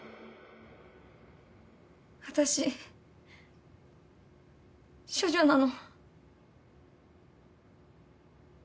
私処女なの。